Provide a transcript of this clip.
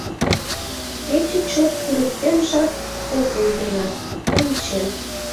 Кече чот ырыктенжак огыл гынат, ончен.